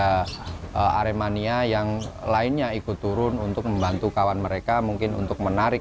ada aremania yang lainnya ikut turun untuk membantu kawan mereka mungkin untuk menarik